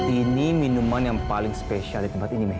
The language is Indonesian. ini minuman yang paling spesial di tempat ini